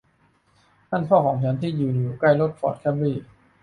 นั่นพ่อของฉันที่ยืนอยู่ใกล้รถฟอร์ดเคปรี